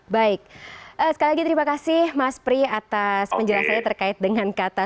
baik sekali lagi terima kasih mas pri atas penjelasannya terkait dengan kata